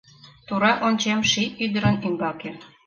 Тура ончем ший ӱдырын ӱмбаке.